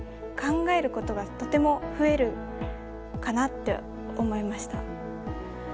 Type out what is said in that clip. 考えることがとても増えるかなって思いました。